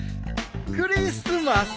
クリスマス。